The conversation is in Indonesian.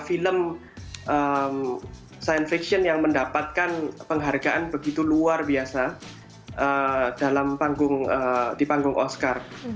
film science fiction yang mendapatkan penghargaan begitu luar biasa dalam panggung di panggung oscar